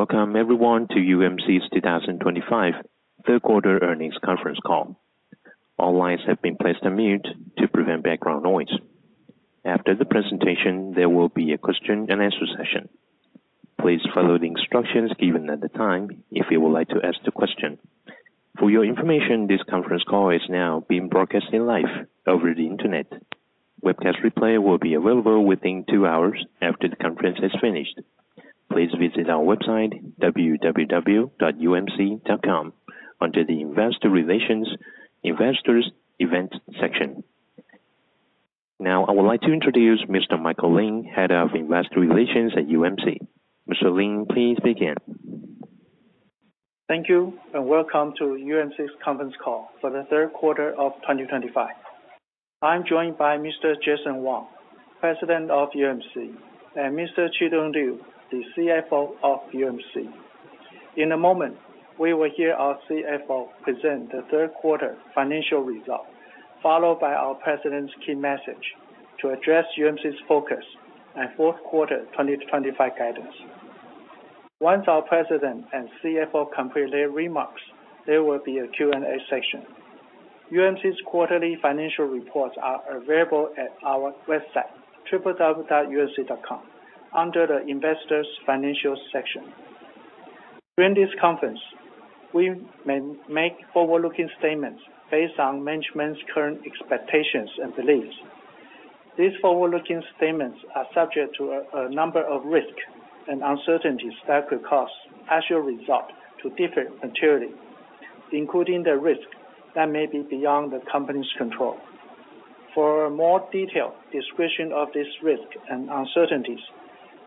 Welcome, everyone, to UMC's 2025 third quarter earnings conference call. All lines have been placed on mute to prevent background noise. After the presentation, there will be a question and answer session. Please follow the instructions given at the time if you would like to ask a question. For your information, this conference call is now being broadcast live over the internet. Webcast replay will be available within two hours after the conference has finished. Please visit our website, www.umc.com, under the Investor Relations/Investor Events section. Now, I would like to introduce Mr. Michael Lin, Head of Investor Relations at UMC. Mr. Lin, please begin. Thank you, and welcome to UMC's conference call for the third quarter of 2025. I'm joined by Mr. Jason Wang, President of UMC, and Mr. Qi Tung Liu, the CFO of UMC. In a moment, we will hear our CFO present the third quarter financial results, followed by our President's key message to address UMC's focus and fourth quarter 2025 guidance. Once our President and CFO complete their remarks, there will be a Q&A session. UMC's quarterly financial reports are available at our website, www.umc.com, under the Investors Financials section. During this conference, we may make forward-looking statements based on management's current expectations and beliefs. These forward-looking statements are subject to a number of risks and uncertainties that could cause actual results to differ materially, including the risks that may be beyond the company's control. For a more detailed description of these risks and uncertainties,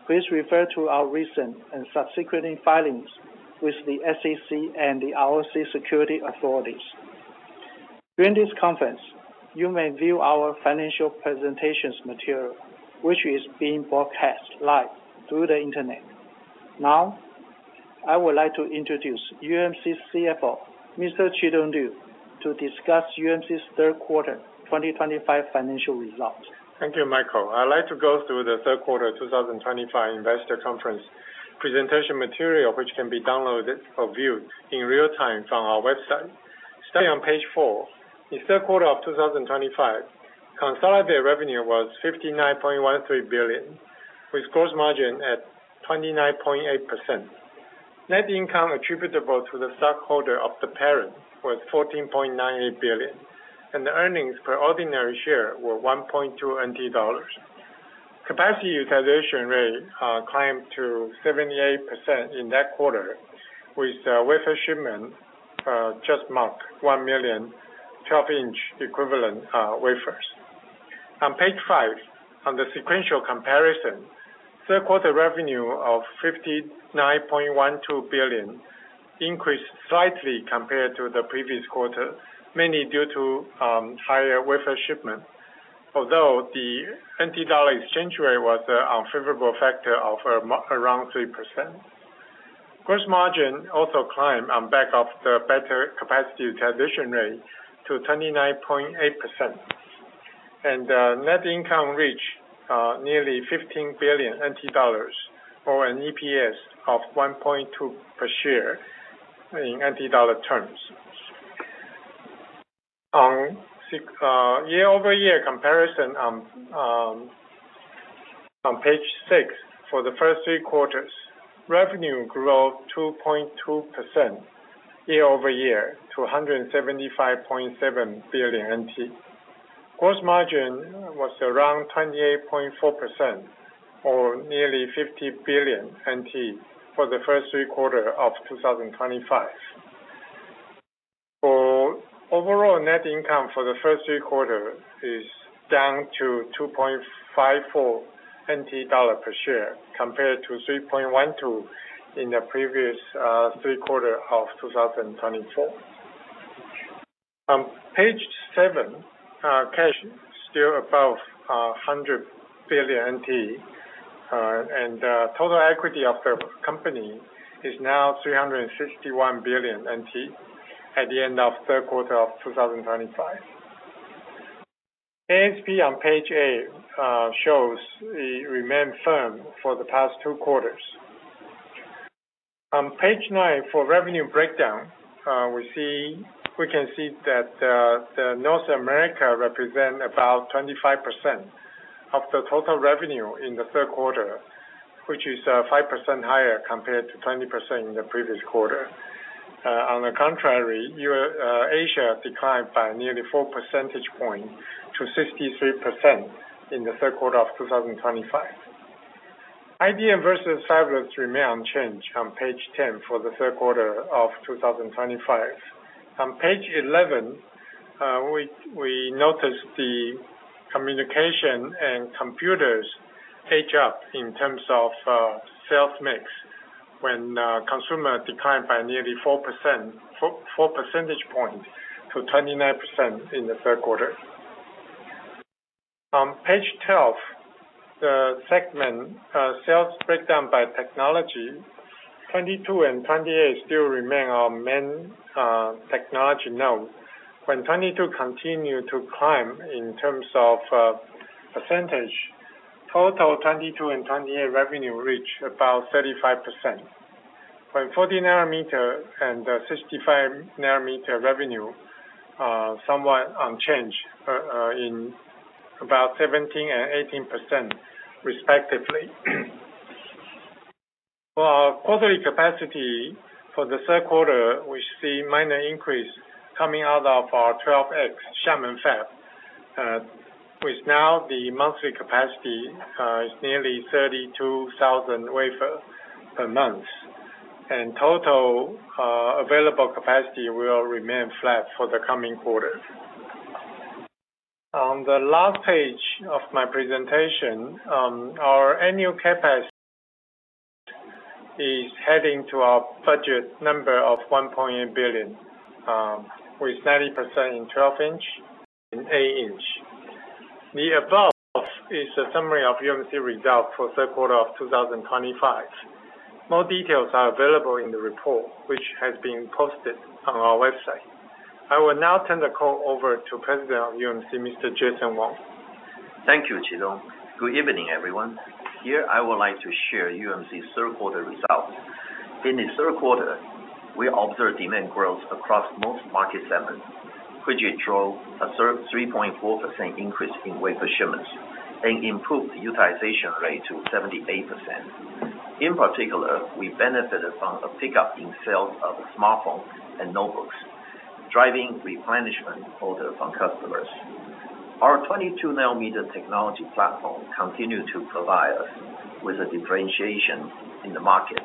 please refer to our recent and subsequent filings with the SEC and the IOC security authorities. During this conference, you may view our financial presentations material, which is being broadcast live through the internet. Now, I would like to introduce UMC's CFO, Mr. Qi Tung Liu, to discuss UMC's third quarter 2025 financial results. Thank you, Michael. I'd like to go through the third quarter 2025 investor conference presentation material, which can be downloaded or viewed in real time from our website. Starting on page four, in the third quarter of 2025, consolidated revenue was NT$59.13 billion, with gross margin at 29.8%. Net income attributable to the stockholder of the parent was NT$14.98 billion, and the earnings per ordinary share were NT$1.2. Capacity utilization rate climbed to 78% in that quarter, with wafer shipment just marked 1 million 12-in equivalent wafers. On page five, under sequential comparison, third quarter revenue of NT$59.12 billion increased slightly compared to the previous quarter, mainly due to higher wafer shipment, although the NT dollar exchange rate was an unfavorable factor of around 3%. Gross margin also climbed on behalf of the better capacity utilization rate to 29.8%, and net income reached nearly NT$15 billion, or an EPS of NT$1.2 per share in NT dollar terms. On year-over-year comparison, on page six, for the first three quarters, revenue grew 2.2% year-over-year to NT$175.7 billion. Gross margin was around 28.4%, or nearly NT$50 billion for the first three quarters of 2025. Overall, net income for the first three quarters is down to NT$2.54 per share compared to NT$3.12 in the previous three quarters of 2024. On page seven, cash is still above NT$100 billion, and total equity of the company is now NT$361 billion at the end of the third quarter of 2025. ASP on page eight shows it remained firm for the past two quarters. On page nine for revenue breakdown, we see that North America represents about 25% of the total revenue in the third quarter, which is 5% higher compared to 20% in the previous quarter. On the contrary, Asia declined by nearly 4 percentage points to 63% in the third quarter of 2025. IDM versus fabless remain unchanged on page 10 for the third quarter of 2025. On page 11, we noticed the communication and computers edge up in terms of sales mix when consumer declined by nearly 4 percentage points to 29% in the third quarter. On page 12, the segment sales breakdown by technology, 22-nanometer and 28-nanometer still remain our main technology nodes. When 22-nanometer continued to climb in terms of percentage, total 22-nanometer and 28-nanometer revenue reached about 35%. When 40-nanometer and 65-nanometer revenue are somewhat unchanged at about 17% and 18% respectively. For our quarterly capacity for the third quarter, we see a minor increase coming out of our 12X Shannon fab, with now the monthly capacity is nearly 32,000 wafers per month, and total available capacity will remain flat for the coming quarter. On the last page of my presentation, our annual CapEx is heading to our budget number of NT$1.8 billion, with 90% in 12-in and 8-in. The above is a summary of UMC results for the third quarter of 2025. More details are available in the report, which has been posted on our website. I will now turn the call over to President of UMC, Mr. Jason Wang. Thank you, Qi Tung. Good evening, everyone. Here, I would like to share UMC's third quarter results. In the third quarter, we observed demand growth across most market segments, which drove a 3.4% increase in wafer shipments and improved utilization rate to 78%. In particular, we benefited from a pickup in sales of smartphones and notebooks, driving replenishment orders from customers. Our 22-nanometer technology platform continued to provide us with a differentiation in the market,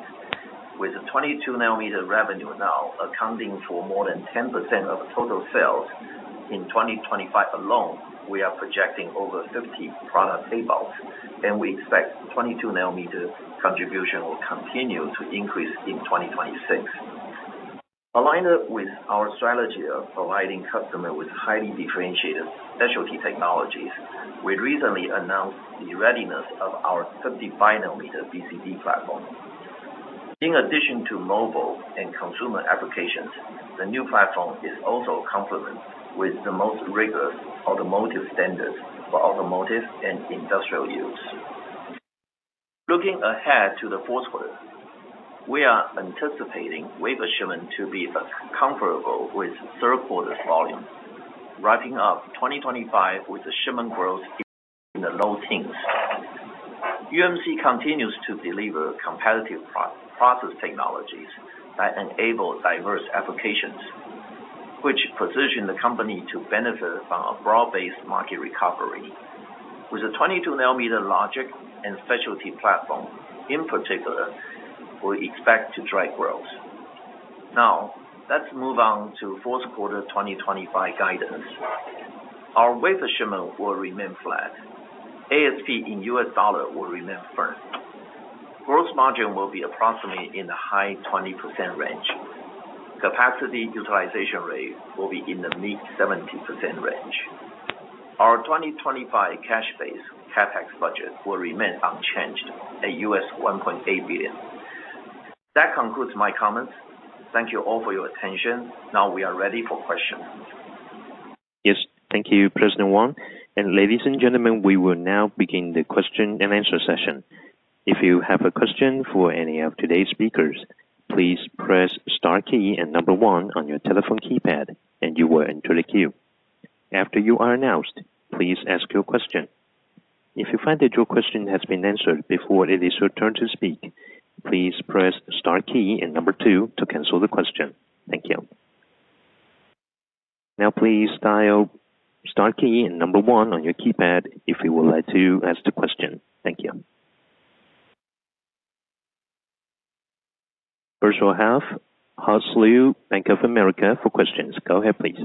with 22-nanometer revenue now accounting for more than 10% of total sales in 2025 alone. We are projecting over 50 product payables, and we expect 22-nanometer contribution will continue to increase in 2026. Aligned with our strategy of providing customers with highly differentiated specialty technologies, we recently announced the readiness of our 55-nanometer BCD platform. In addition to mobile and consumer applications, the new platform is also complemented with the most rigorous automotive standards for automotive and industrial use. Looking ahead to the fourth quarter, we are anticipating wafer shipment to be comfortable with third quarter's volume, wrapping up 2025 with shipment growth in the low teens. UMC continues to deliver competitive process technologies that enable diverse applications, which position the company to benefit from a broad-based market recovery. With a 22-nanometer logic and specialty platform in particular, we expect to drive growth. Now, let's move on to fourth quarter 2025 guidance. Our wafer shipment will remain flat. ASP in US dollar will remain firm. Gross margin will be approximately in the high 20% range. Capacity utilization rate will be in the mid-70% range. Our 2025 cash-based CapEx budget will remain unchanged at NT$1.8 billion. That concludes my comments. Thank you all for your attention. Now we are ready for questions. Yes, thank you, President Wang. Ladies and gentlemen, we will now begin the question and answer session. If you have a question for any of today's speakers, please press the star key and number one on your telephone keypad, and you will enter the queue. After you are announced, please ask your question. If you find that your question has been answered before it is your turn to speak, please press the star key and number two to cancel the question. Thank you. Now, please dial the star key and number one on your keypad if you would like to ask a question. Thank you. First, we'll have Han Liu, Bank of America, for questions. Go ahead, please.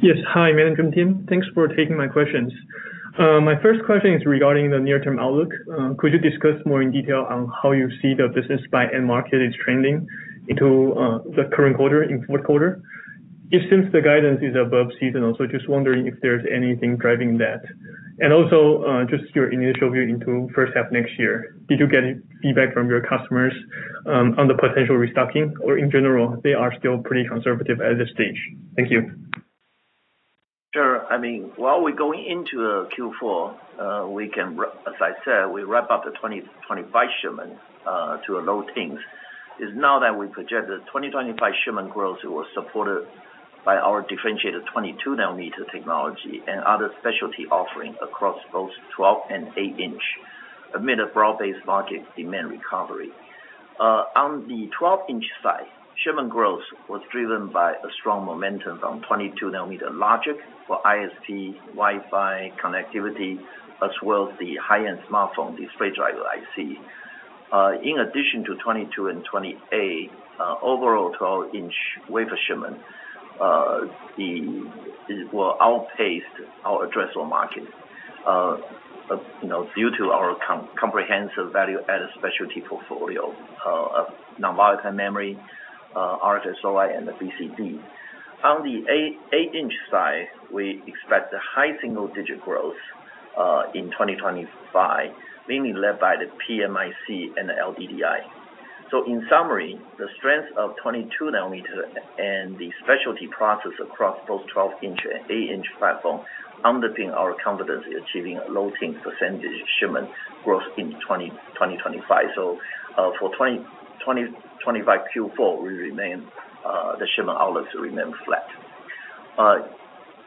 Yes. Hi, management team. Thanks for taking my questions. My first question is regarding the near-term outlook. Could you discuss more in detail on how you see the business by end market is trending into the current quarter and fourth quarter? It seems the guidance is above seasonal, just wondering if there's anything driving that. Also, just your initial view into the first half of next year, did you get feedback from your customers on the potential restocking? In general, they are still pretty conservative at this stage? Thank you. Sure. While we're going into Q4, as I said, we wrap up the 2025 shipment to a low teens. It's now that we project the 2025 shipment growth will be supported by our differentiated 22-nanometer technology and other specialty offerings across both 12 and 8-in, amid a broad-based market demand recovery. On the 12-in side, shipment growth was driven by strong momentum from 22-nanometer logic for ISP, Wi-Fi connectivity, as well as the high-end smartphone display driver IC. In addition to 22 and 28 overall 12-in wafer shipment, it will outpace our addressable market due to our comprehensive value-added specialty portfolio of non-volatile memory, RFSOI, and BCD. On the 8-in side, we expect a high single-digit growth in 2025, mainly led by the PMIC and LDDI. In summary, the strength of 22-nanometer and the specialty process across both 12-in and 8-in platforms underpin our confidence in achieving a low-teen % shipment growth in 2025. For 2025 Q4, the shipment outlooks remain flat.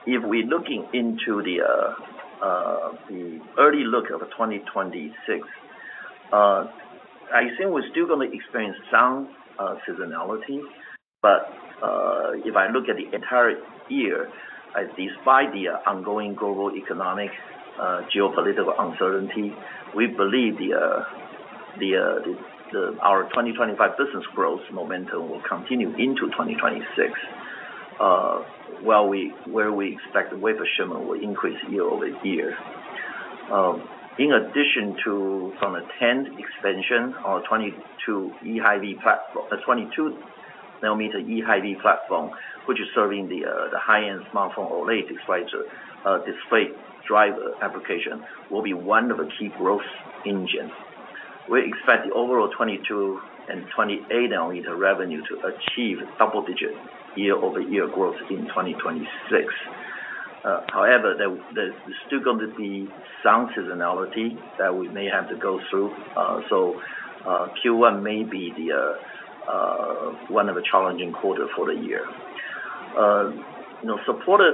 If we're looking into the early look of 2026, I think we're still going to experience some seasonality. If I look at the entire year, despite the ongoing global economic geopolitical uncertainty, we believe our 2025 business growth momentum will continue into 2026, where we expect wafer shipment will increase year-over-year. In addition to the 10th expansion on the 22-nanometer eHV platform, which is serving the high-end smartphone OLED display driver application, it will be one of the key growth engines. We expect the overall 22 and 28-nanometer revenue to achieve double-digit year-over-year growth in 2026. However, there's still going to be some seasonality that we may have to go through. Q1 may be one of the challenging quarters for the year. Supported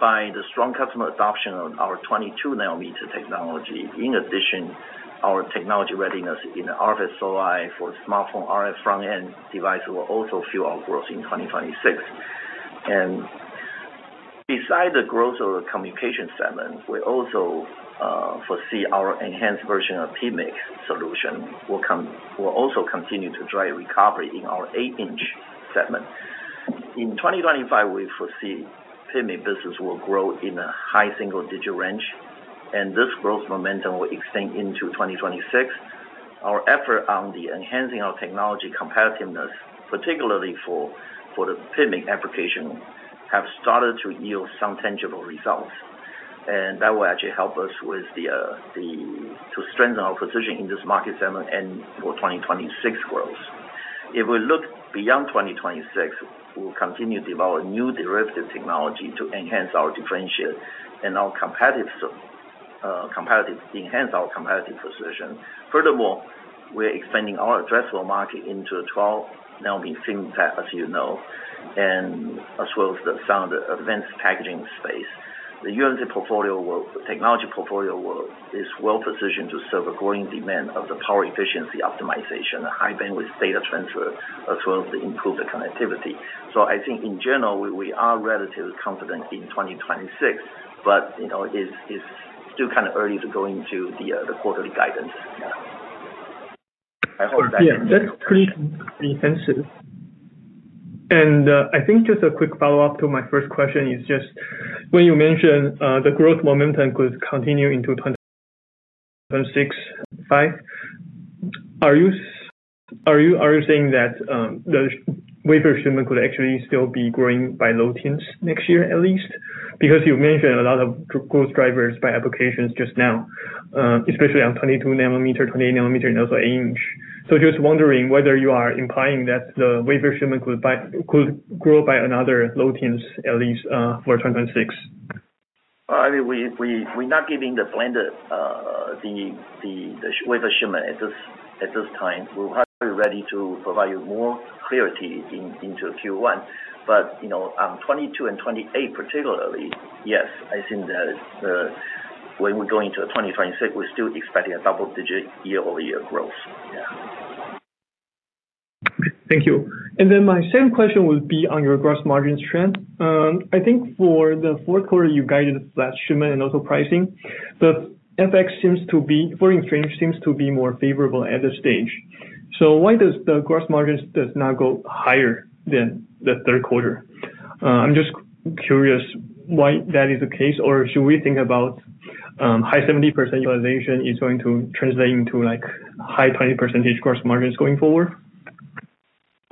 by the strong customer adoption of our 22-nanometer technology, in addition, our technology readiness in RFSOI for smartphone RF front-end devices will also fuel our growth in 2026. Besides the growth of the communication segment, we also foresee our enhanced version of PMIC solution will also continue to drive recovery in our 8-in segment. In 2025, we foresee PMIC business will grow in a high single-digit range, and this growth momentum will extend into 2026. Our efforts on enhancing our technology competitiveness, particularly for the PMIC application, have started to yield some tangible results. That will actually help us to strengthen our position in this market segment and for 2026 growth. If we look beyond 2026, we'll continue to develop new derivative technology to enhance our differentiation and our competitive position. Furthermore, we're expanding our addressable market into 12-nanometer thin pad, as you know, as well as some of the advanced packaging space. The UMC technology portfolio is well-positioned to serve a growing demand of the power efficiency optimization, high bandwidth data transfer, as well as the improved connectivity. I think, in general, we are relatively confident in 2026, but you know it's still kind of early to go into the quarterly guidance. Yeah, that's pretty extensive. I think just a quick follow-up to my first question is when you mentioned the growth momentum could continue into 2025, are you saying that the wafer shipment could actually still be growing by low teens next year, at least? You mentioned a lot of growth drivers by applications just now, especially on 22-nanometer, 28-nanometer, and also 8-in. I'm just wondering whether you are implying that the wafer shipment could grow by another low teens, at least for 2025. We're not giving the wafer shipment at this time. We're ready to provide you more clarity into Q1. On 22-nanometer and 28-nanometer particularly, yes, I think that when we go into 2026, we're still expecting a double-digit year-over-year growth. Yeah. Thank you. My second question would be on your gross margin strength. I think for the fourth quarter, you guided flat shipment and also pricing. The FX seems to be foreign fringe seems to be more favorable at this stage. Why does the gross margin not go higher than the third quarter? I'm just curious why that is the case, or should we think about high 70% utilization is going to translate into like high 20% gross margins going forward?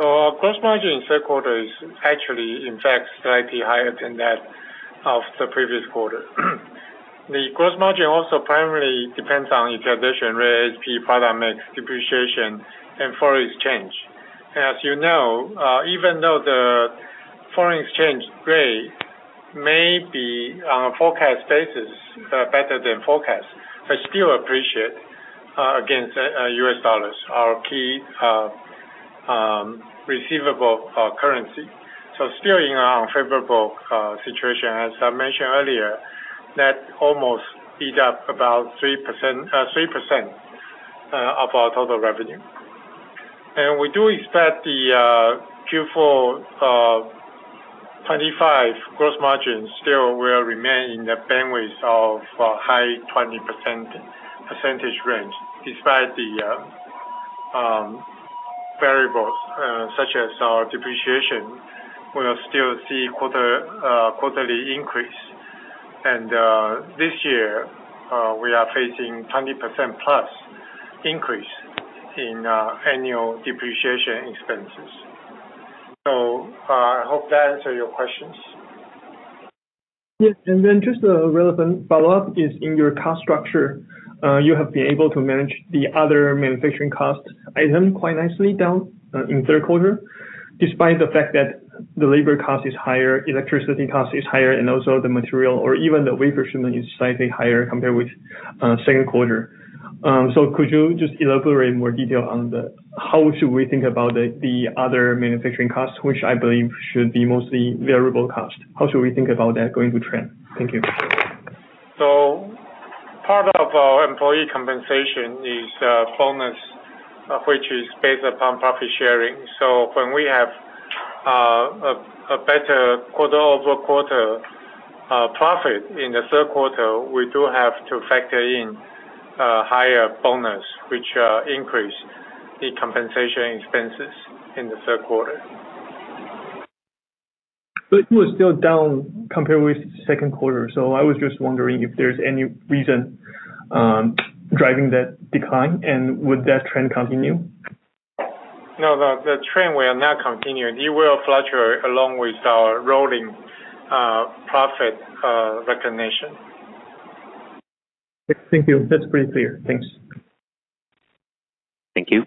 Our gross margin in the third quarter is actually, in fact, slightly higher than that of the previous quarter. The gross margin also primarily depends on the transition rate, HP product mix, depreciation, and foreign exchange. As you know, even though the foreign exchange rate may be on a forecast basis better than forecast, it's still appreciated against U.S. dollars, our key receivable currency. It's still in an unfavorable situation. As I mentioned earlier, that almost eats up about 3% of our total revenue. We do expect the Q4 2025 gross margin still will remain in the bandwidth of a high 20% range. Despite the variables such as our depreciation, we'll still see a quarterly increase. This year, we are facing a 20%+ increase in annual depreciation expenses. I hope that answers your questions. Yeah. A relevant follow-up is in your cost structure. You have been able to manage the other manufacturing cost item quite nicely down in third quarter, despite the fact that the labor cost is higher, electricity cost is higher, and also the material or even the wafer shipment is slightly higher compared with the second quarter. Could you just elaborate in more detail on how should we think about the other manufacturing costs, which I believe should be mostly variable cost? How should we think about that going to trend? Thank you. Part of our employee compensation is a bonus which is based upon profit sharing. When we have a better quarter-over-quarter profit in the third quarter, we do have to factor in a higher bonus, which increases the compensation expenses in the third quarter. It was still down compared with the second quarter. I was just wondering if there's any reason driving that decline, and would that trend continue? No, the trend will not continue. It will fluctuate along with our rolling profit recognition. Thank you. That's pretty clear. Thanks. Thank you.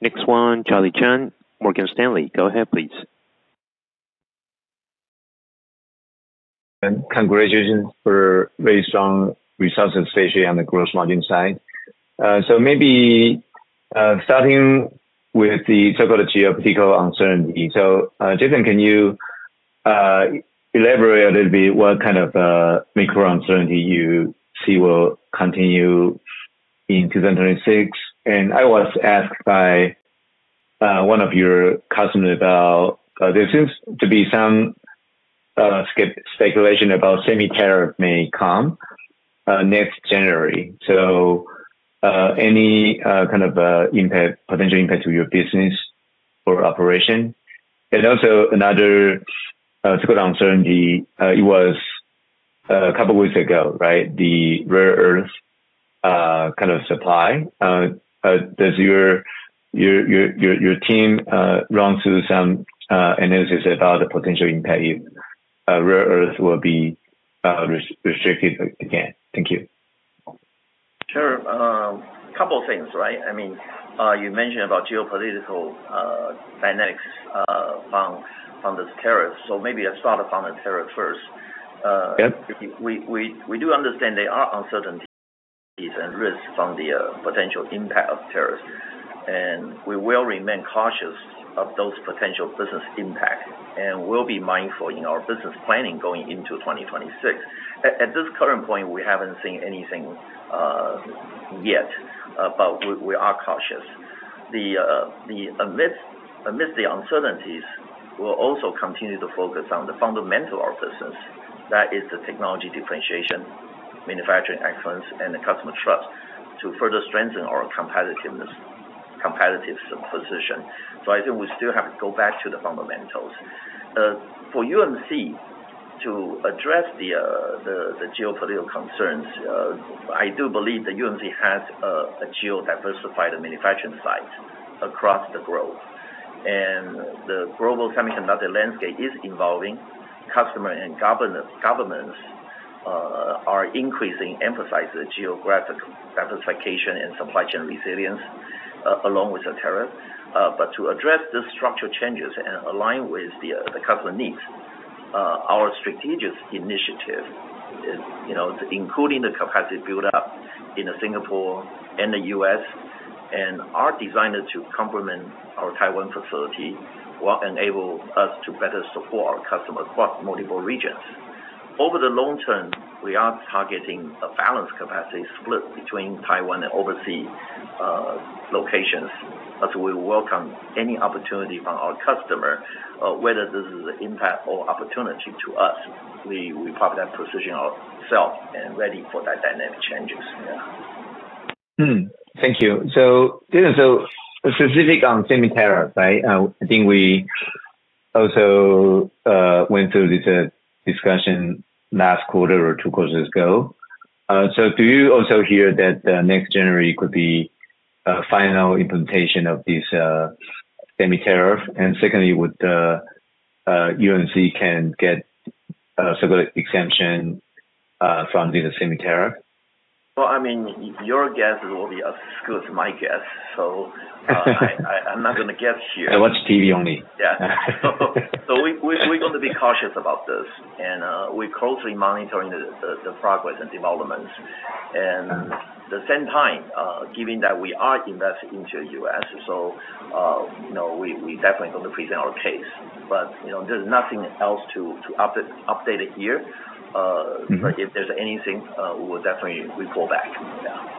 Next one, Charlie Chan, Morgan Stanley. Go ahead, please. Congratulations for very strong results, especially on the gross margin side. Maybe starting with the so-called geopolitical uncertainty, Jason, can you elaborate a little bit what kind of macro uncertainty you see will continue in 2026? I was asked by one of your customers about there seems to be some speculation about semi-terror may come next January. Any kind of potential impact to your business or operation? Also, another uncertainty, it was a couple of weeks ago, right, the rare earth kind of supply. Does your team run through some analysis about the potential impact if rare earth will be restricted again? Thank you. Sure. A couple of things, right? I mean, you mentioned about geopolitical dynamics from this tariff. Maybe let's start from the tariff first. We do understand there are uncertainties and risks from the potential impact of tariffs, and we will remain cautious of those potential business impacts and will be mindful in our business planning going into 2026. At this current point, we haven't seen anything yet, but we are cautious. Amidst the uncertainties, we'll also continue to focus on the fundamentals of our business. That is the technology differentiation, manufacturing excellence, and the customer trust to further strengthen our competitive position. I think we still have to go back to the fundamentals. For UMC, to address the geopolitical concerns, I do believe that UMC has a geo-diversified manufacturing site across the globe. The global semiconductor landscape is evolving. Customers and governments are increasingly emphasizing geographic diversification and supply chain resilience along with the tariff. To address the structural changes and align with the customer needs, our strategic initiative, including the capacity buildup in Singapore and the U.S., and our design to complement our Taiwan facility, will enable us to better support our customers across multiple regions. Over the long term, we are targeting a balanced capacity split between Taiwan and overseas locations. We welcome any opportunity from our customer, whether this is an impact or opportunity to us. We probably have to position ourselves and be ready for that dynamic changes. Yeah. Thank you. Jason, specific on semi-terror, right? I think we also went through this discussion last quarter or two quarters ago. Do you also hear that next January could be a final implementation of this semi-terror? Secondly, would UMC get a separate exemption from this semi-terror? I mean, your guess will be as good as my guess. I'm not going to guess here. I watch TV only. Yeah, we're going to be cautious about this. We're closely monitoring the progress and developments. At the same time, given that we are investing into the U.S., we're definitely going to present our case. There's nothing else to update here. If there's anything, we will definitely report back. Yeah.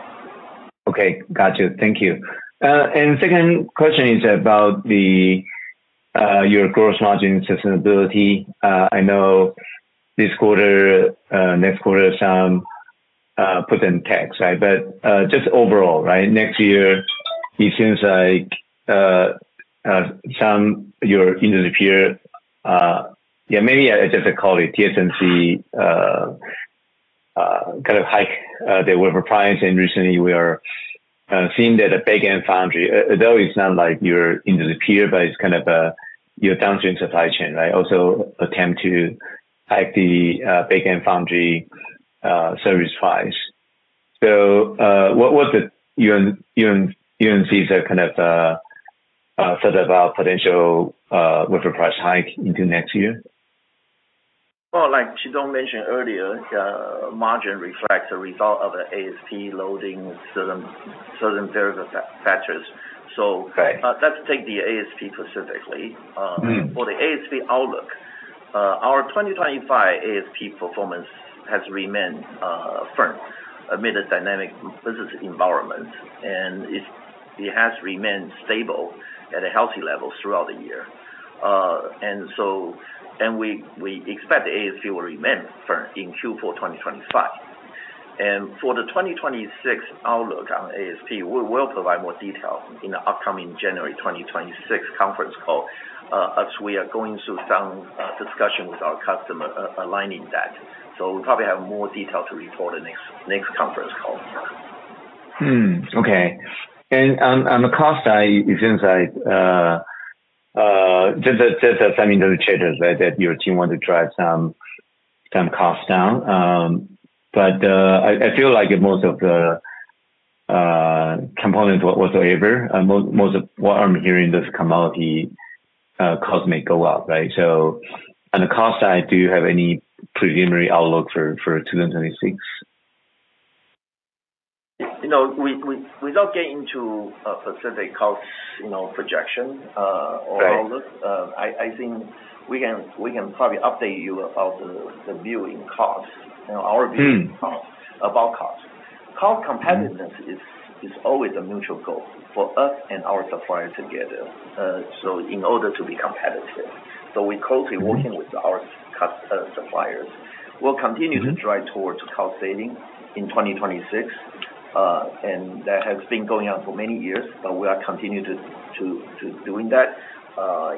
Okay. Gotcha. Thank you. The second question is about your gross margin sustainability. I know this quarter, next quarter, some puts and takes, right? Just overall, next year, it seems like some of your industry peers, yeah, maybe I just call it TSMC, kind of hiked their wafer price. Recently, we are seeing that the backend foundry, though it's not like your industry peer, but it's kind of your downstream supply chain, also attempts to hike the backend foundry service price. What does UMC's kind of thought about potential wafer price hike into next year? Like Qi Tung Liu mentioned earlier, the margin reflects a result of the ASP loading certain variable factors. Let's take the ASP specifically. For the ASP outlook, our 2025 ASP performance has remained firm amid a dynamic business environment. It has remained stable at a healthy level throughout the year. We expect the ASP will remain firm in Q4 2025. For the 2026 outlook on ASP, we will provide more detail in the upcoming January 2026 conference call. We are going through some discussion with our customer aligning that. We'll probably have more detail to report in the next conference call. Okay. On the cost side, it seems like just the semiconductor traders, right, that your team wanted to drive some costs down. I feel like most of the components whatsoever, most of what I'm hearing is commodity cost may go up, right? On the cost side, do you have any preliminary outlook for 2026? Without getting into a specific cost projection or outlook, I think we can probably update you about the view in cost, our view in cost about cost. Cost competitiveness is always a mutual goal for us and our suppliers together. In order to be competitive, we're closely working with our suppliers. We'll continue to drive towards cost saving in 2026. That has been going on for many years, but we are continuing to do that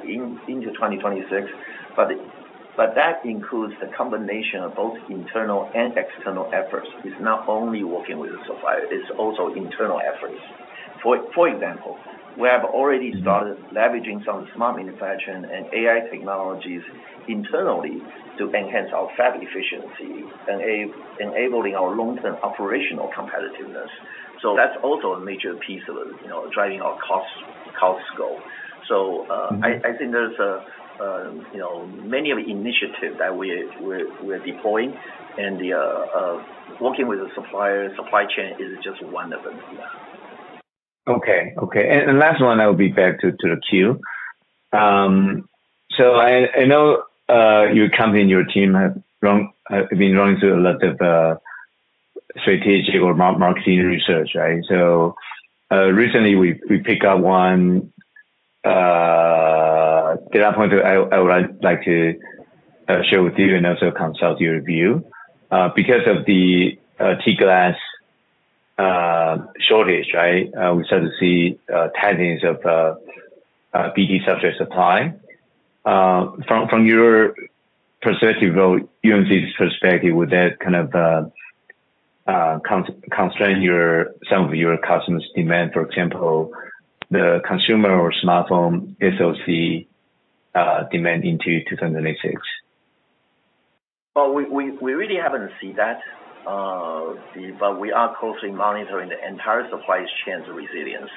into 2026. That includes the combination of both internal and external efforts. It's not only working with the supplier. It's also internal efforts. For example, we have already started leveraging some smart manufacturing and AI technologies internally to enhance our fab efficiency and enabling our long-term operational competitiveness. That's also a major piece of driving our cost scope. I think there's many of the initiatives that we're deploying and working with the supplier. Supply chain is just one of them. Yeah. Okay. Last one, I'll be back to the queue. I know your company and your team have been running through a lot of strategic or marketing research, right? Recently, we picked up one. At that point, I would like to share with you and also consult your view. Because of the T-Glass shortage, we started to see tightening of BT substrate supply. From your perspective, though, UMC's perspective, would that kind of constrain some of your customers' demand, for example, the consumer or smartphone SOC demand into 2026? We really haven't seen that, but we are closely monitoring the entire supply chain's resilience.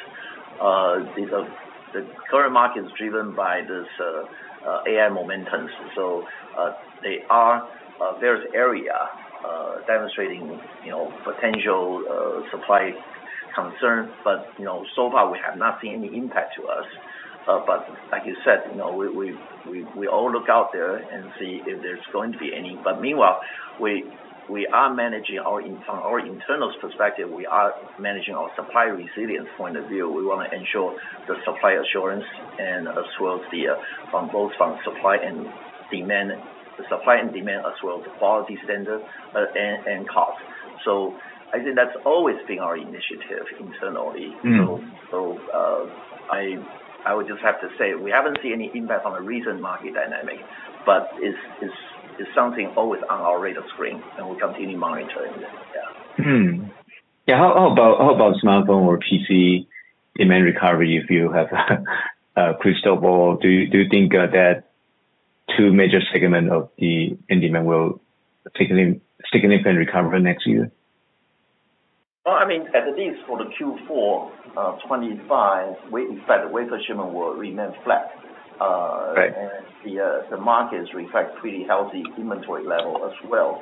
The current market is driven by this AI momentum. There are various areas demonstrating potential supply concerns, but so far, we have not seen any impact to us. Like you said, you know we all look out there and see if there's going to be any. Meanwhile, we are managing our internal perspective. We are managing our supply resilience point of view. We want to ensure the supply assurance as well as both supply and demand, the supply and demand, as well as the quality standard and cost. I think that's always been our initiative internally. I would just have to say we haven't seen any impact on the recent market dynamic, but it's something always on our radar screen, and we'll continue monitoring this. Yeah. Yeah. How about smartphone or PC demand recovery? If you have a crystal ball, do you think that two major segments of the end demand will significantly recover next year? At least for the Q4 of 2025, we expect the wafer shipment will remain flat. The markets reflect pretty healthy inventory levels as well.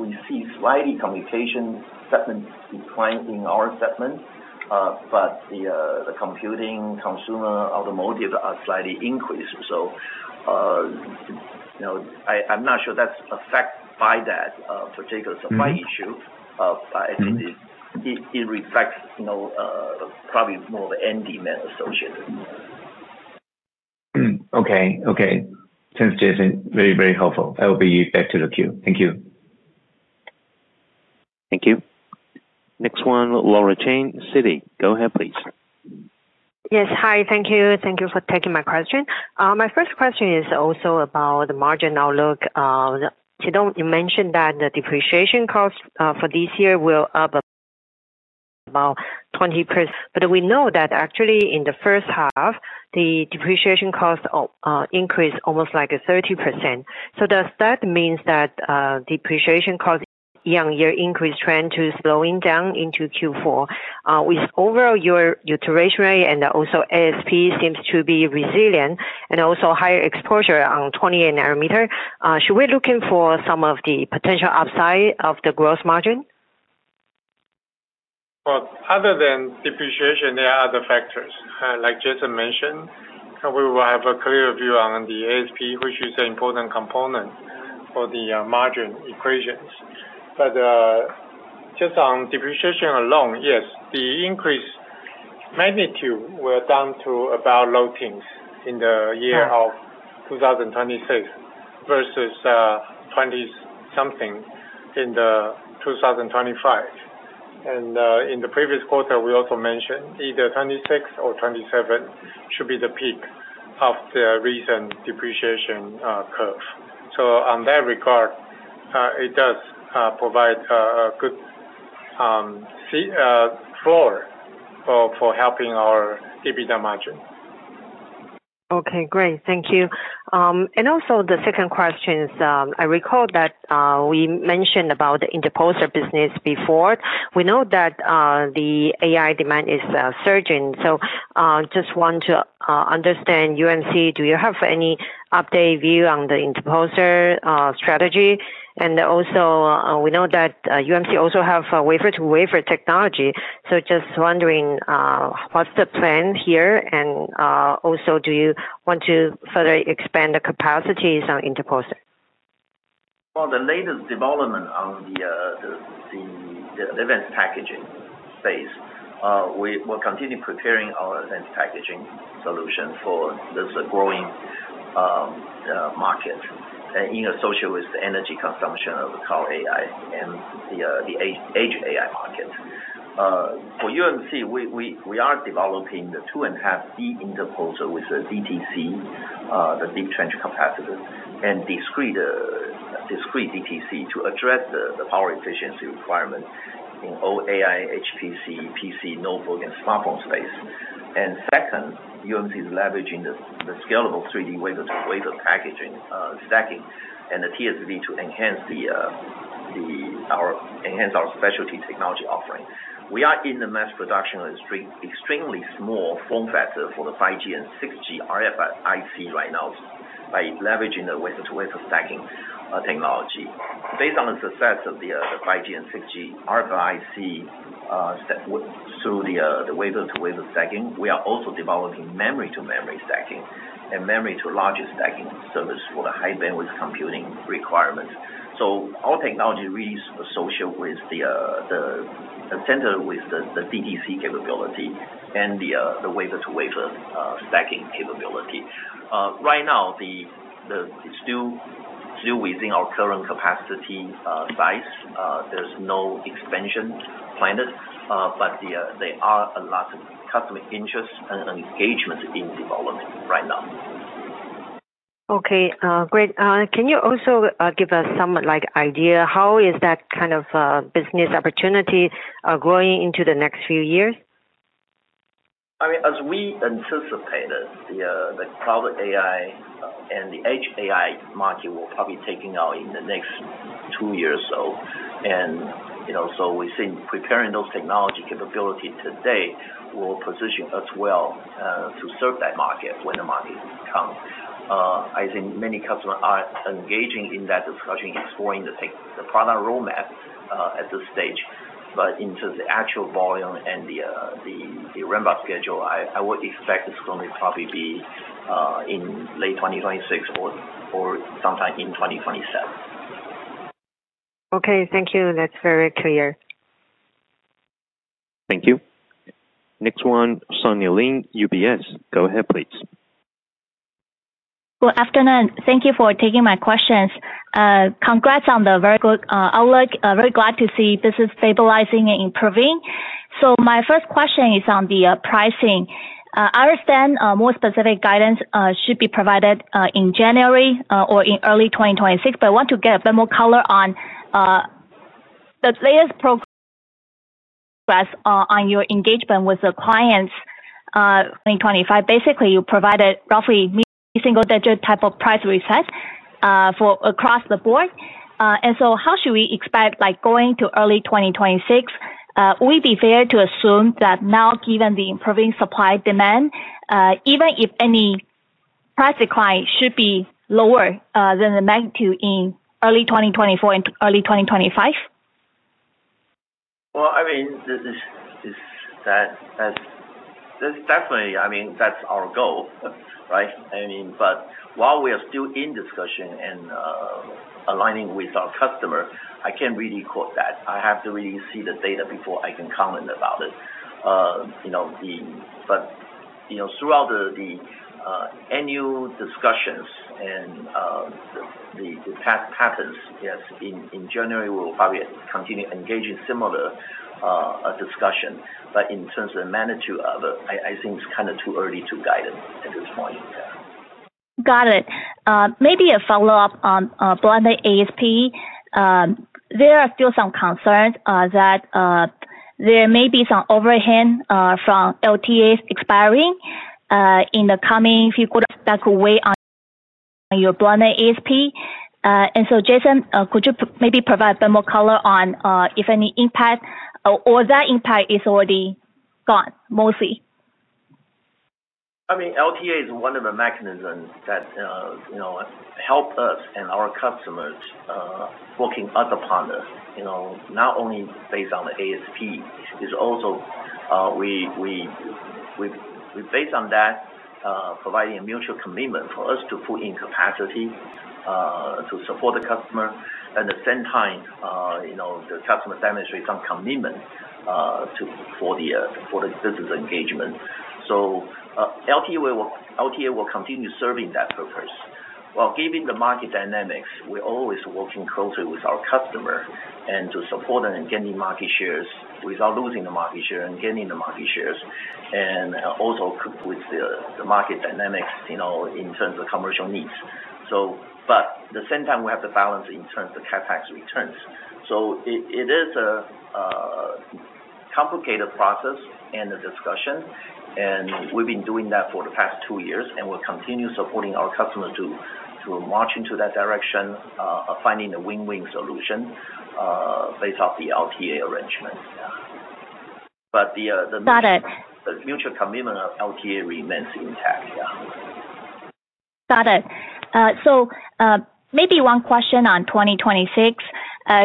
We see slightly communication segments decline in our segment, but the computing, consumer, automotive are slightly increased. I'm not sure that's affected by that particular supply issue, but I think it reflects probably more of an end demand associated. Okay. Thanks, Jason. Very, very helpful. I'll be back to the queue. Thank you. Thank you. Next one, Laura Chen, Citi. Go ahead, please. Yes. Hi. Thank you. Thank you for taking my question. My first question is also about the margin outlook. Qi Tung Liu, you mentioned that the depreciation cost for this year will be up about 20%. We know that actually, in the first half, the depreciation cost increased almost like 30%. Does that mean that depreciation cost year-on-year increase trend is slowing down into Q4, with overall your utilization rate and also ASP seems to be resilient and also higher exposure on 28-nanometer technology node. Should we be looking for some of the potential upside of the gross margin? Other than depreciation, there are other factors. Like Jason mentioned, we will have a clear view on the ASP, which is an important component for the margin equations. Just on depreciation alone, yes, the increase magnitude will be down to about low teens in the year of 2026 versus 20-something in 2025. In the previous quarter, we also mentioned either 2026 or 2027 should be the peak of the recent depreciation curve. On that regard, it does provide a good floor for helping our EBITDA margin. Okay. Great. Thank you. The second question is, I recall that we mentioned about the interposer business before. We know that the AI demand is surging. I just want to understand, UMC, do you have any updated view on the interposer strategy? We know that UMC also has wafer-to-wafer technology. Just wondering, what's the plan here? Do you want to further expand the capacities on interposer? The latest development on the advanced packaging space, we will continue preparing our advanced packaging solution for this growing market and associated with the energy consumption of the cloud AI and the edge AI market. For UMC, we are developing the 2.5D interposer with the deep trench capacitor (DTC) and discrete DTC to address the power efficiency requirements in all AI, HPC, PC, notebook, and smartphone space. Second, UMC is leveraging the scalable 3D wafer-to-wafer packaging stacking and the TSV to enhance our specialty technology offering. We are in the mass production of an extremely small form factor for the 5G and 6G RFIC right now by leveraging the wafer-to-wafer stacking technology. Based on the success of the 5G and 6G RFIC through the wafer-to-wafer stacking, we are also developing memory-to-memory stacking and memory-to-large stacking service for the high-bandwidth computing requirements. Our technology is really associated with the center with the DTC capability and the wafer-to-wafer stacking capability. Right now, it's still within our current capacity size. There's no expansion planned, but there are a lot of customer interest and engagement in development right now. Okay. Great. Can you also give us some idea how is that kind of business opportunity growing into the next few years? As we anticipated, the cloud AI and the edge AI market will probably take it out in the next two years or so. We think preparing those technology capabilities today will position us well to serve that market when the market comes. I think many customers are engaging in that discussion, exploring the product roadmap at this stage. In terms of the actual volume and the runbook schedule, I would expect it's going to probably be in late 2026 or sometime in 2027. Okay, thank you. That's very clear. Thank you. Next one, Sunny Lin, UBS. Go ahead, please. Thank you for taking my questions. Congrats on the very good outlook. Very glad to see business stabilizing and improving. My first question is on the pricing. I understand more specific guidance should be provided in January or in early 2026, but I want to get a bit more color on the latest progress on your engagement with the clients. In 2025, basically, you provided roughly a single-digit type of price reset across the board. How should we expect going to early 2026? Would it be fair to assume that now, given the improving supply demand, even if any price decline should be lower than the magnitude in early 2024 and early 2025? That's definitely, I mean, that's our goal, right? While we are still in discussion and aligning with our customers, I can't really quote that. I have to really see the data before I can comment about it. You know, throughout the annual discussions and the past patterns, yes, in January, we'll probably continue engaging in similar discussions. In terms of the magnitude of it, I think it's kind of too early to guide them at this point. Yeah. Got it. Maybe a follow-up on branded ASP. There are still some concerns that there may be some overhang from LTAs expiring in the coming few quarters that could weigh on your branded ASP. Jason, could you maybe provide a bit more color on if any impact or that impact is already gone mostly? I mean, LTA is one of the mechanisms that helps us and our customers working up upon us. You know, not only based on the ASP, it's also we based on that provide a mutual commitment for us to put in capacity to support the customer. At the same time, you know, the customer demonstrates some commitment for the business engagement. LTA will continue serving that purpose. Given the market dynamics, we're always working closely with our customers to support them and getting market shares without losing the market share and getting the market shares. Also, with the market dynamics, you know, in terms of commercial needs. At the same time, we have to balance in terms of the CapEx returns. It is a complicated process and a discussion. We've been doing that for the past two years, and we'll continue supporting our customers to march into that direction of finding a win-win solution based off the LTA arrangement. Yeah. Got it. The mutual commitment of LTA remains intact. Yeah. Got it. Maybe one question on 2026,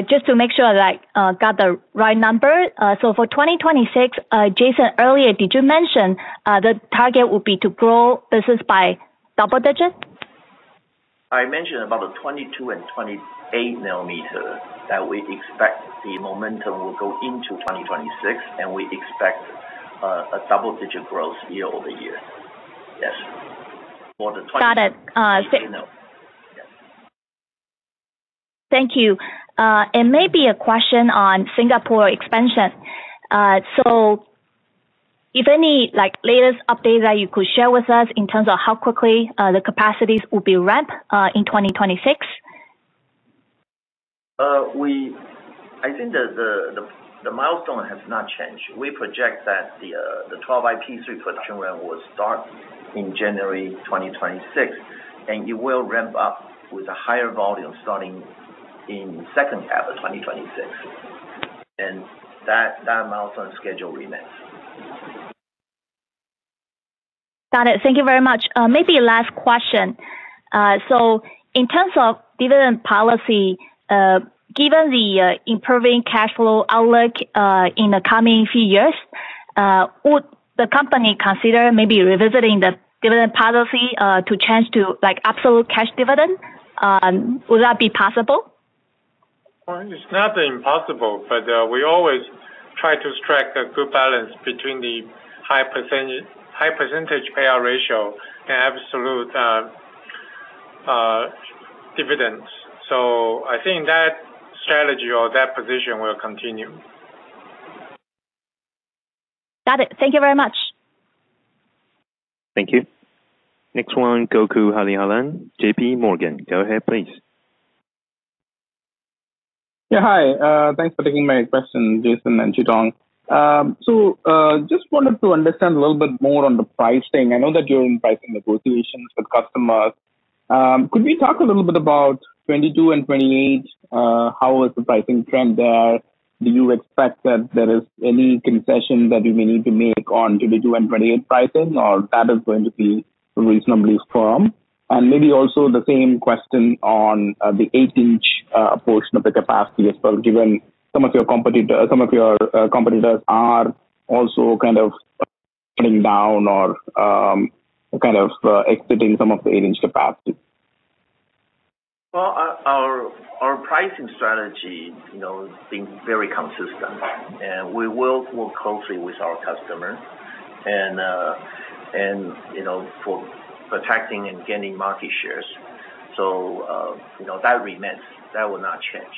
just to make sure that I got the right number. For 2026, Jason, earlier, did you mention the target would be to grow business by double digit? I mentioned about the 22-nanometer and 28-nanometer technology that we expect the momentum will go into 2026, and we expect a double-digit growth year-over-year. Yes. Got it. Thank you. Maybe a question on Singapore expansion. If any latest update that you could share with us in terms of how quickly the capacities will be ramped in 2026? I think that the milestone has not changed. We project that the 12X Shannon fab production run will start in January 2026, and it will ramp up with a higher volume starting in the second half of 2026. That milestone schedule remains. Got it. Thank you very much. Maybe last question. In terms of dividend policy, given the improving cash flow outlook in the coming few years, would the company consider maybe revisiting the dividend policy to change to like absolute cash dividend? Would that be possible? It's not impossible, but we always try to strike a good balance between the high % payout ratio and absolute dividends. I think that strategy or that position will continue. Got it. Thank you very much. Thank you. Next one, Gokul Hariharan, JPMorgan. Go ahead, please. Yeah. Hi. Thanks for taking my question, Jason and Qi Tung. I just wanted to understand a little bit more on the pricing. I know that you're in pricing negotiations with customers. Could we talk a little bit about 22 and 28? How is the pricing trend there? Do you expect that there is any concession that we may need to make on 22 and 28 pricing, or that is going to be reasonably firm? Maybe also the same question on the 8-in portion of the capacity as well, given some of your competitors are also kind of putting down or kind of exiting some of the 8-in capacity. Our pricing strategy has been very consistent, and we will work closely with our customers for protecting and getting market shares. That remains. That will not change.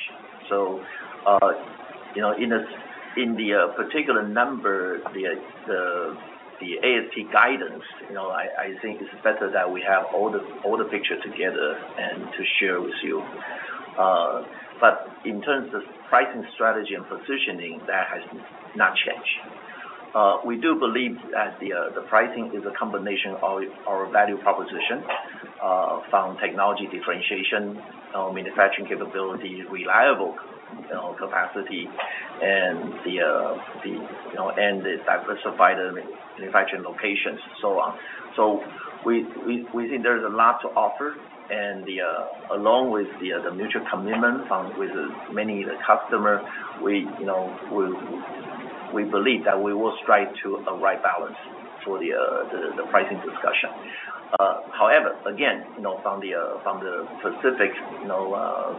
In the particular number, the ASP guidance, I think it's better that we have all the pictures together and to share with you. In terms of pricing strategy and positioning, that has not changed. We do believe that the pricing is a combination of our value proposition, found technology differentiation, manufacturing capability, reliable capacity, and the diversified manufacturing locations, and so on. We think there's a lot to offer. Along with the mutual commitment with many of the customers, we believe that we will strike a right balance for the pricing discussion. However, again, from the specific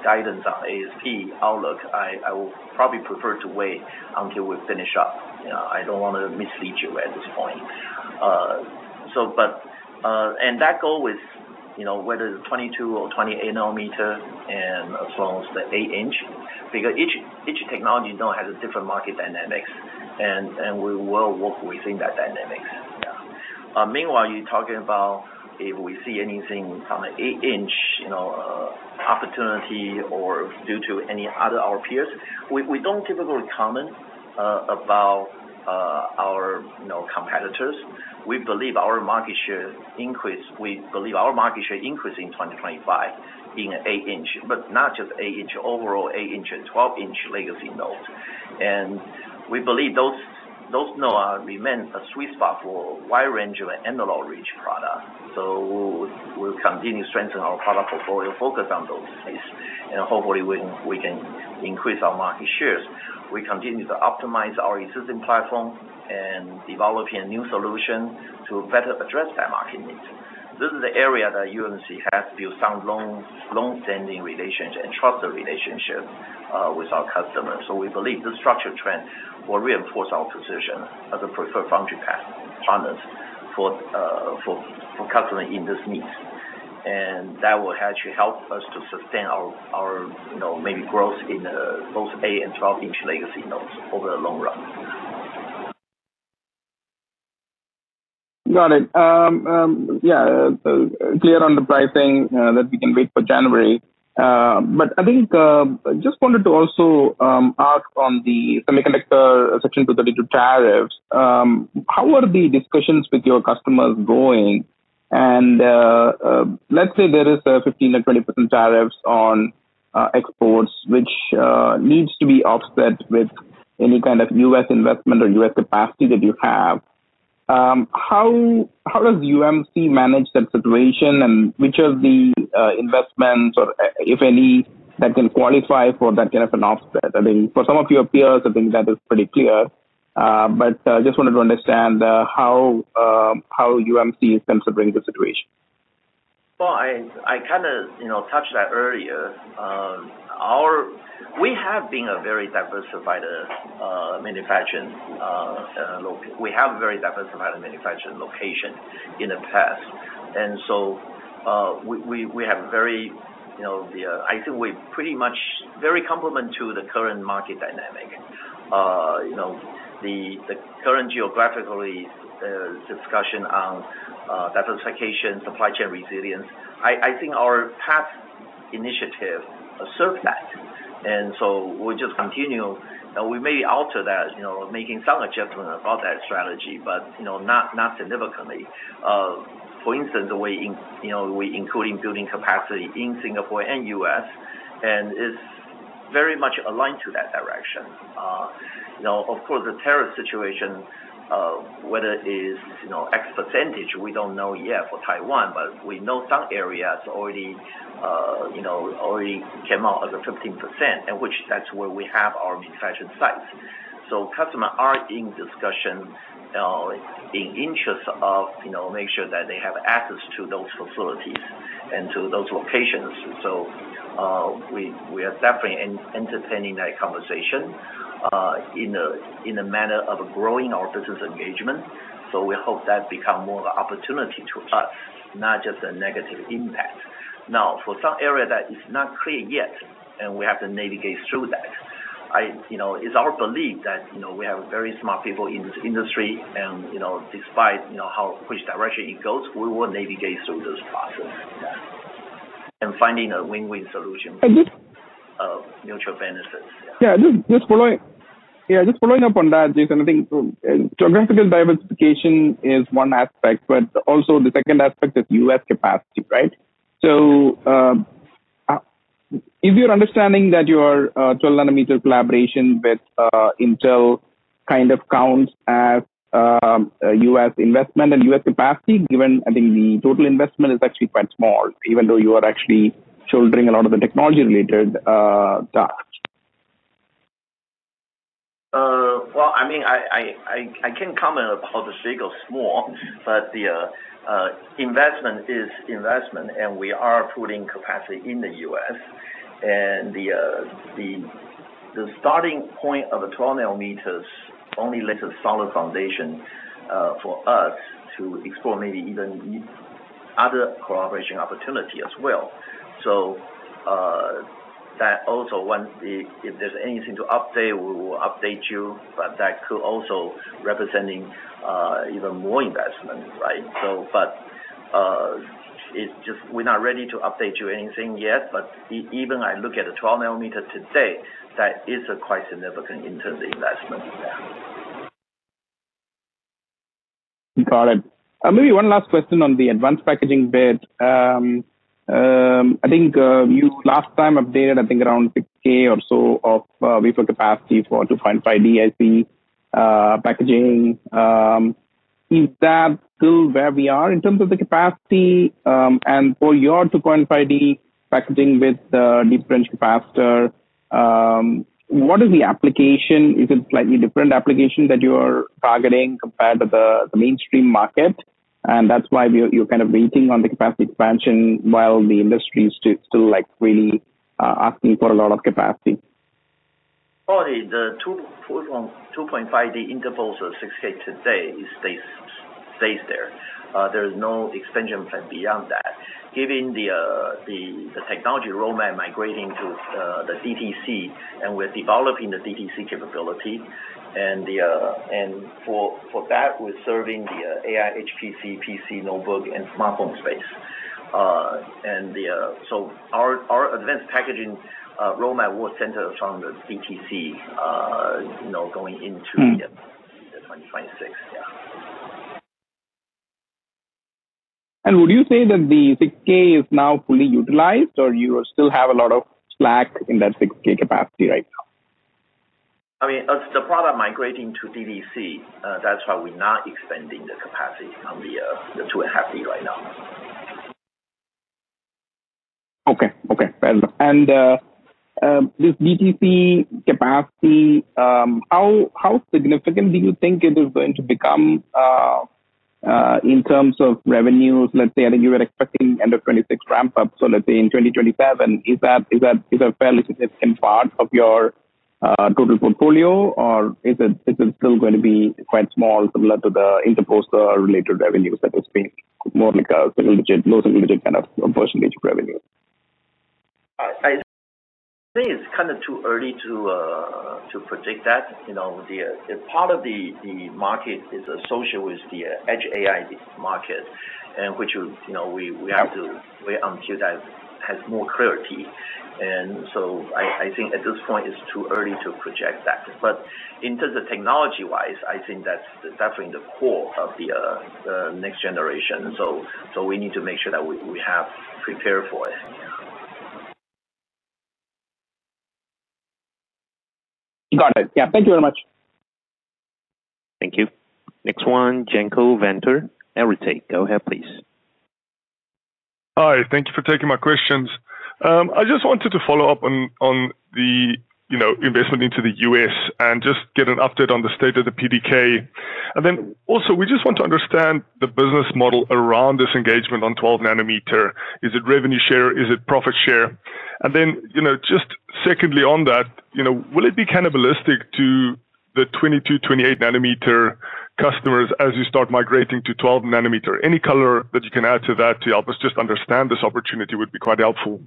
guidance on ASP outlook, I would probably prefer to wait until we finish up. I don't want to mislead you at this point. That goal is whether it's 22 or 28-nanometer technology and as well as the 8-in, because each technology has different market dynamics, and we will work within that dynamics. Meanwhile, you're talking about if we see anything from the 8-in opportunity or due to any other of our peers, we don't typically comment about our competitors. We believe our market share increases in 2025 in 8-in, but not just 8-in, overall 8-in and 12-in legacy nodes. We believe those nodes remain a sweet spot for a wide range of analog reach products. We'll continue to strengthen our product portfolio, focus on those needs, and hopefully, we can increase our market shares. We continue to optimize our existing platform and develop a new solution to better address that market need. This is the area that United Microelectronics Corporation has built some long-standing relations and trusted relationships with our customers. We believe this structure trend will reinforce our position as a preferred front-end partner for customers in this niche. That will actually help us to sustain our maybe growth in both 8 and 12-in legacy nodes over the long run. Got it. Yeah. Clear on the pricing that we can wait for January. I just wanted to also ask on the semiconductor section to the digital tariffs. How are the discussions with your customers going? Let's say there is a 15% or 20% tariffs on exports, which needs to be offset with any kind of U.S. investment or U.S. capacity that you have. How does UMC manage that situation? Which are the investments, or if any, that can qualify for that kind of an offset? For some of your peers, I think that is pretty clear. I just wanted to understand how UMC is considering the situation. I kind of touched that earlier. We have been a very diversified manufacturing location. We have a very diversified manufacturing location in the past. We have a very, you know, I think we pretty much very complement to the current market dynamic. The current geographically discussion on diversification, supply chain resilience, I think our past initiative served that. We just continue, and we may alter that, you know, making some adjustment about that strategy, but you know, not significantly. For instance, the way we're including building capacity in Singapore and the U.S., it's very much aligned to that direction. Of course, the tariff situation, whether it is X %, we don't know yet for Taiwan, but we know some areas already came out as a 15%, and that's where we have our manufacturing sites. Customers are in discussion in interest of making sure that they have access to those facilities and to those locations. We are definitely entertaining that conversation in a manner of growing our business engagement. We hope that becomes more of an opportunity to us, not just a negative impact. For some areas that is not clear yet, and we have to navigate through that, it's our belief that we have very smart people in this industry. Despite which direction it goes, we will navigate through this process. Yeah. Finding a win-win solution of mutual benefits. Just following up on that, Jason, I think geographical diversification is one aspect, but also the second aspect is U.S. capacity, right? Is your understanding that your 12-nanometer collaboration with Intel kind of counts as U.S. investment and U.S. capacity, given I think the total investment is actually quite small, even though you are actually shouldering a lot of the technology-related tasks? I can't comment on how the figure is small, but the investment is investment, and we are putting capacity in the U.S. The starting point of the 12-nanometer technology only lays a solid foundation for us to explore maybe even other collaboration opportunities as well. If there's anything to update, we will update you, but that could also represent even more investment, right? We're not ready to update you on anything yet. Even when I look at the 12-nanometer technology today, that is quite significant in terms of investment. Got it. Maybe one last question on the advanced packaging bit. I think you last time updated, I think, around 6K or so of wafer capacity for 2.5D IC packaging. Is that still where we are in terms of the capacity? For your 2.5D packaging with the deep trench capacitor, what is the application? Is it a slightly different application that you are targeting compared to the mainstream market? That's why you're kind of waiting on the capacity expansion while the industry is still like really asking for a lot of capacity. The 2.5D interposer of 6K today stays there. There's no expansion plan beyond that. Given the technology roadmap migrating to the deep trench capacitor, and we're developing the deep trench capacitor capability. For that, we're serving the AI, HPC, PC, notebook, and smartphone space. Our advanced packaging roadmap will center from the deep trench capacitor going into 2026. Yeah. Would you say that the 6K is now fully utilized, or you still have a lot of slack in that 6K capacity right now? I mean the product is migrating to deep trench capacitor, that's why we're not expanding the capacity on the 2.5D right now. Okay. Fair enough. This DTC capacity, how significant do you think it is going to become in terms of revenues? Let's say I think you were expecting end of 2026 ramp-up. Let's say in 2027, is that a fairly significant part of your total portfolio, or is it still going to be quite small, similar to the interposer-related revenues, that it's being more like a single-digit, low single-digit kind of % of revenue? I think it's kind of too early to predict that. The part of the market is associated with the edge AI market, which we have to wait until that has more clarity. I think at this point, it's too early to project that. In terms of technology-wise, I think that's definitely the core of the next generation. We need to make sure that we have prepared for it. Yeah. Got it. Yeah, thank you very much. Thank you. Next one, Janco Venter. Please go ahead. Hi. Thank you for taking my questions. I just wanted to follow up on the investment into the U.S. and just get an update on the state of the PDK. Also, we just want to understand the business model around this engagement on 12-nanometer. Is it revenue share? Is it profit share? Secondly, on that, will it be cannibalistic to the 22-nanometer, 28-nanometer customers as you start migrating to 12-nanometer? Any color that you can add to that to help us just understand this opportunity would be quite helpful.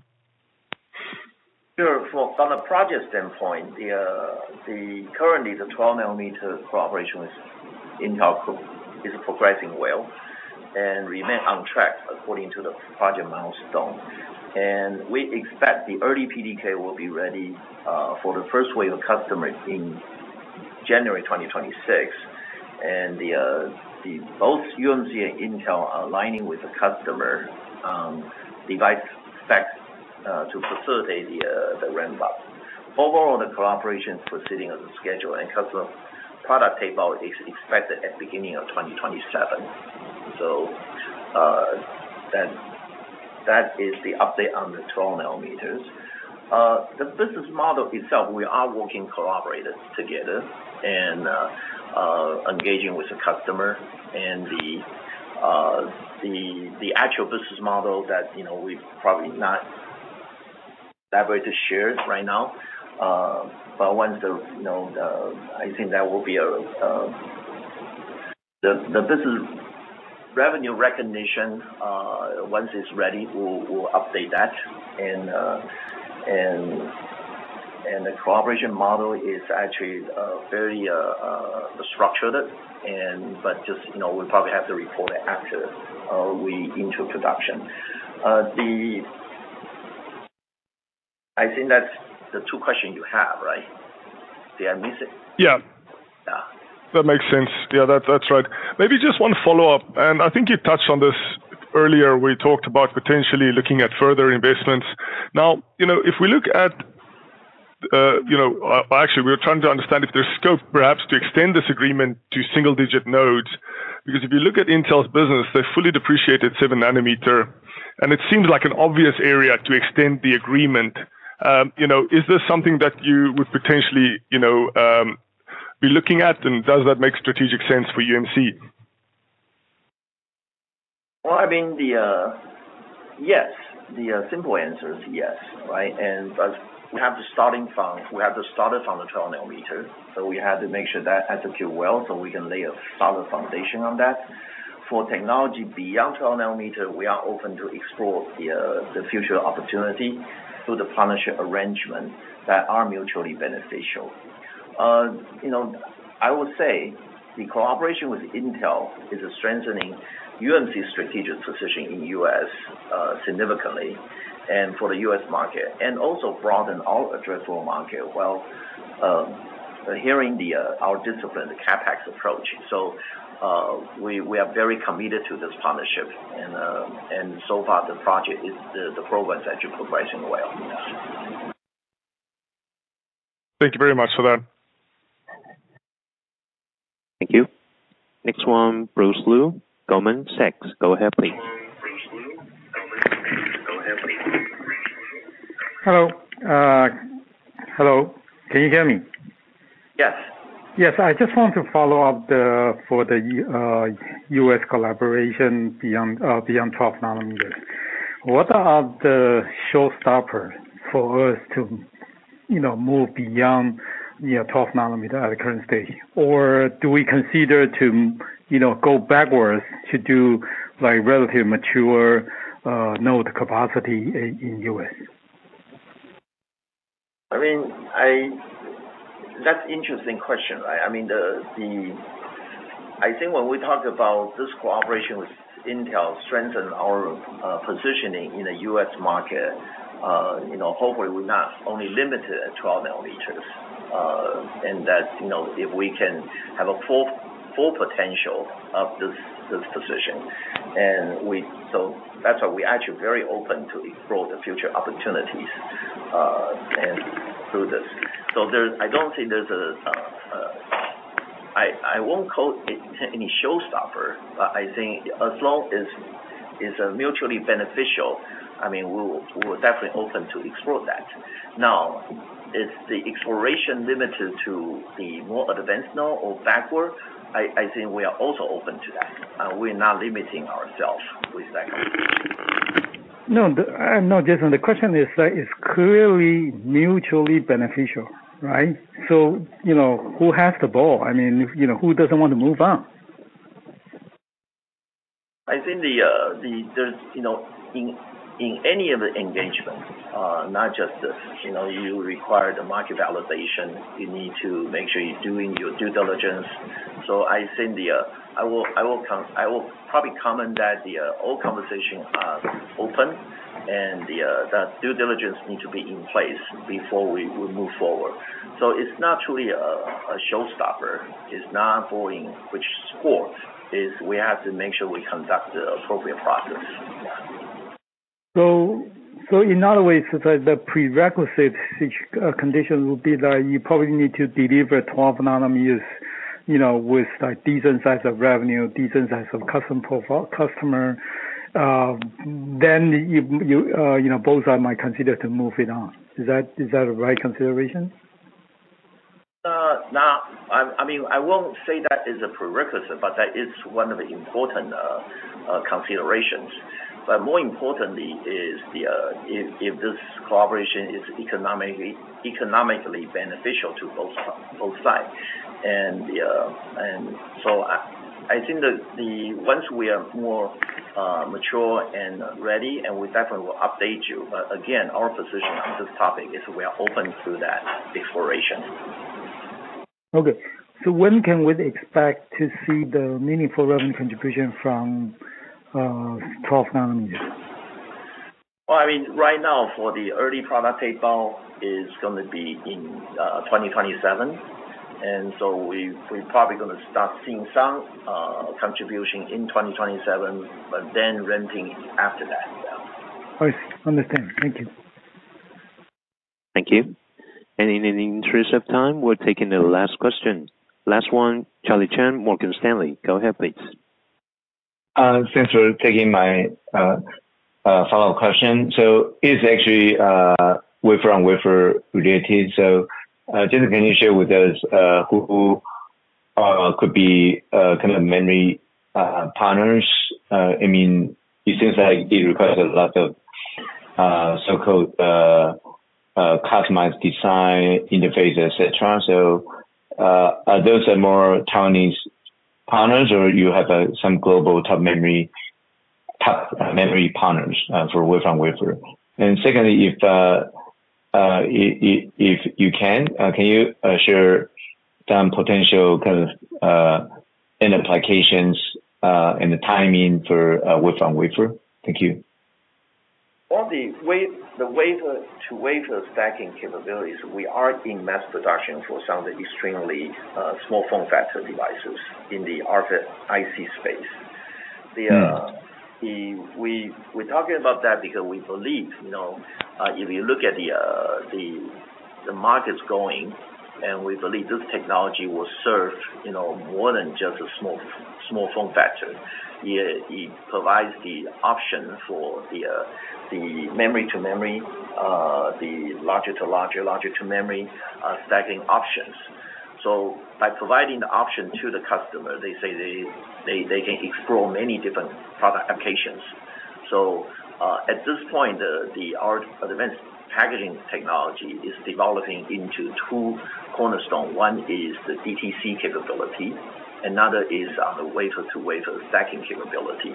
Sure. From the project standpoint, currently, the 12-nanometer collaboration with Intel Group is progressing well and remains on track according to the project milestone. We expect the early PDK will be ready for the first wave of customers in January 2026. Both UMC and Intel are aligning with the customer device specs to facilitate the ramp-up. Overall, the collaboration is proceeding as scheduled, and customer product takeout is expected at the beginning of 2027. That is the update on the 12-nanometer. The business model itself, we are working collaboratively together and engaging with the customer. The actual business model that we've probably not elaborated or shared right now. Once the business revenue recognition is ready, we'll update that. The collaboration model is actually fairly structured, but we probably have to report after we enter production. I think that's the two questions you have, right? Did I miss it? Yeah, that makes sense. Yeah, that's right. Maybe just one follow-up. I think you touched on this earlier. We talked about potentially looking at further investments. Now, if we look at, you know, actually, we're trying to understand if there's scope perhaps to extend this agreement to single-digit nodes. Because if you look at Intel's business, they've fully depreciated 7 nanometers. It seems like an obvious area to extend the agreement. Is this something that you would potentially, you know, be looking at, and does that make strategic sense for UMC? Yes, the simple answer is yes, right? We have to start it from the 12-nanometer technology. We had to make sure that executes well so we can lay a solid foundation on that. For technology beyond 12-nanometer technology, we are open to explore the future opportunity through the partnership arrangement that are mutually beneficial. I will say the collaboration with Intel is strengthening UMC's strategic position in the U.S. significantly and for the U.S. market and also broaden our addressable market while adhering to our discipline, the CapEx approach. We are very committed to this partnership, and so far, the project is progressing well. Yes. Thank you very much for that. Thank you. Next one, Bruce Lu, Goldman Sachs. Go ahead, please. Hello. Can you hear me? Yes. Yes. I just want to follow up for the US collaboration beyond 12 nanometers. What are the showstoppers for us to, you know, move beyond 12 nanometers at the current stage? Or do we consider to, you know, go backwards to do like relatively mature node capacity in the US? I mean, that's an interesting question, right? I think when we talk about this collaboration with Intel, it strengthens our positioning in the U.S. market. Hopefully, we're not only limited at 12 nanometers and that, if we can have a full potential of this position. That's why we're actually very open to explore the future opportunities through this. I don't think there's a, I won't call it any showstopper, but I think as long as it's mutually beneficial, we're definitely open to explore that. Now, is the exploration limited to the more advanced node or backward? I think we are also open to that. We're not limiting ourselves with that. No, Jason, the question is that it's clearly mutually beneficial, right? You know, who has the ball? I mean, you know, who doesn't want to move on? I think in any of the engagements, not just this, you require the market validation. You need to make sure you're doing your due diligence. I will probably comment that the old conversations are open and the due diligence needs to be in place before we move forward. It's not truly a showstopper. It's not bowling, which scores. We have to make sure we conduct the appropriate process. In other ways, the prerequisite condition would be that you probably need to deliver 12-nanometer with a decent size of revenue, decent size of customer profile. Then you both might consider to move it on. Is that a right consideration? I mean, I won't say that is a prerequisite, but that is one of the important considerations. More importantly, if this collaboration is economically beneficial to both sides. I think that once we are more mature and ready, we definitely will update you. Again, our position on this topic is we are open to that exploration. Okay. When can we expect to see the meaningful revenue contribution from 12-nanometer technology? Right now, for the early product takeout, it's going to be in 2027, and we're probably going to start seeing some contribution in 2027, but then ramping after that. Yeah. I understand. Thank you. Thank you. In the interest of time, we're taking the last question. Last one, Charlie Chan, Morgan Stanley. Go ahead, please. Thanks for taking my follow-up question. It's actually wafer-on-wafer related. Can you share with us who could be kind of memory partners? It seems like it requires a lot of so-called customized design interfaces, etc. Are those more Taiwanese partners, or do you have some global top memory partners for wafer-on-wafer? Secondly, if you can, can you share some potential kind of end applications and the timing for wafer-on-wafer? Thank you. The wafer-to-wafer stacking capabilities are in mass production for some of the extremely small form factor devices in the RFIC space. We're talking about that because we believe, you know, if you look at where the market's going, this technology will serve more than just a small form factor. It provides the option for the memory-to-memory, the larger-to-larger, larger-to-memory stacking options. By providing the option to the customer, they say they can explore many different product applications. At this point, our advanced packaging technology is developing into two cornerstones. One is the deep trench capacitor (DTC) capability. Another is on the wafer-to-wafer stacking capability.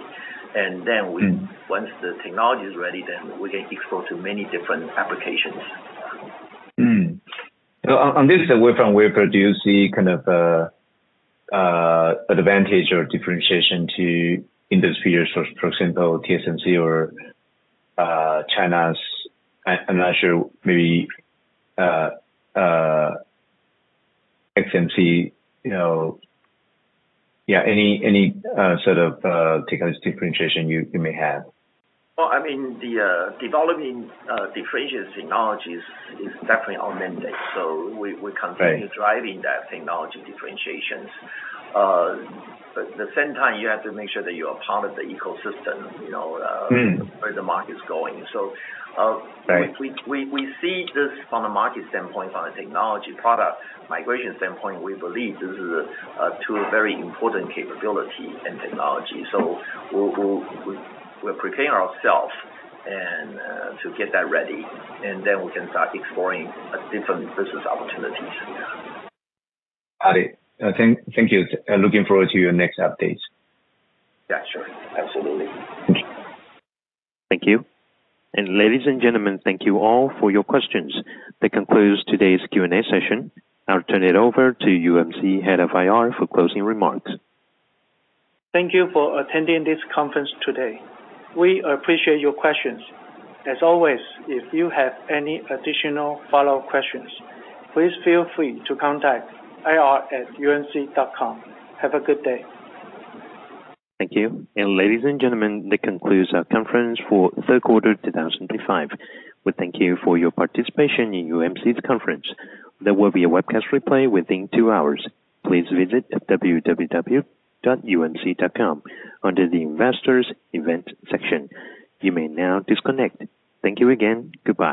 Once the technology is ready, we can explore many different applications. On this wafer-to-wafer stacking, do you see kind of an advantage or differentiation to industries, for example, TSMC or China’s? I'm not sure. Maybe XMC. Yeah. Any sort of differentiation you may have? The developing differentiation technologies is definitely our mandate. We continue driving that technology differentiation. At the same time, you have to make sure that you are part of the ecosystem, you know, where the market is going. We see this from the market standpoint, from the technology product migration standpoint. We believe this is a two very important capability and technology. We're preparing ourselves to get that ready, and then we can start exploring different business opportunities. Got it. Thank you. Looking forward to your next updates. Yeah, sure. Absolutely. Thank you. Thank you. Ladies and gentlemen, thank you all for your questions. That concludes today's Q&A session. I'll turn it over to UMC Head of IR for closing remarks. Thank you for attending this conference today. We appreciate your questions. As always, if you have any additional follow-up questions, please feel free to contact ir@umc.com. Have a good day. Thank you. Ladies and gentlemen, that concludes our conference for third quarter 2025. We thank you for your participation in UMC's conference. There will be a webcast replay within two hours. Please visit www.umc.com under the Investors Event section. You may now disconnect. Thank you again. Goodbye.